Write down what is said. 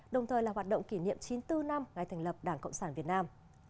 đồng thời là hoạt động kỷ niệm chín mươi bốn năm ngày thành lập đảng cộng sản việt nam